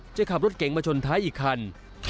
จะขับรถเก่งมาจนท้ายอีกครั้ง